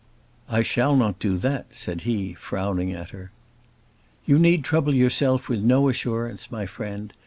"I shall not do that," said he, frowning at her. "You need trouble yourself with no assurance, my friend.